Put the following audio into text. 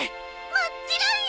もちろんよ！